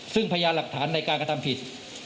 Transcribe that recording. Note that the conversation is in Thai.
ซึ่งพยานหลักฐานในการกระทำผิด